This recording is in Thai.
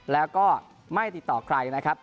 แล้วก็ไม่ติดต่อใครนะครับ